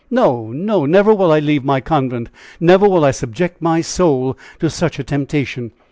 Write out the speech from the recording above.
"No, no; never will I leave my convent never will I subject my soul to such a temptation."